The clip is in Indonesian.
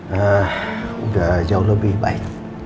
nah udah jauh lebih baik